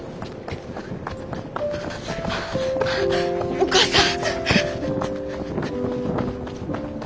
お母さん。